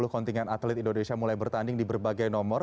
kontingen atlet indonesia mulai bertanding di berbagai nomor